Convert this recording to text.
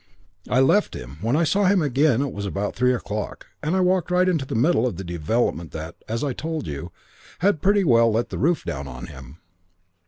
"I left him. When I saw him again was about three o'clock, and I walked right into the middle of the development that, as I told you, has pretty well let the roof down on him.